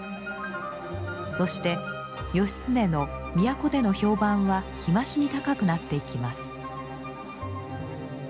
そして義経の都での評判は日増しに高くなっていきます。